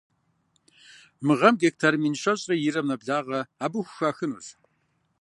Мы гъэм гектар мин щэщӀрэ ирэм нэблагъэ абы хухахынущ.